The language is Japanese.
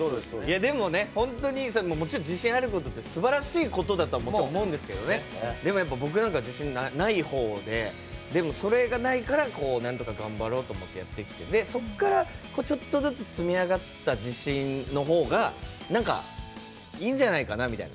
でも、本当にもちろん自信あることってすばらしいことだと思いますが僕なんか自信ないほうでそれがないからなんとか頑張ろうと思ってやってきてそこから、ちょっとずつ積み上がった自信のほうがいいんじゃないかなみたいな。